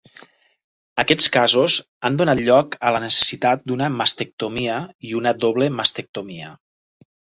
Aquests casos han donat lloc a la necessitat d'una mastectomia i una doble mastectomia.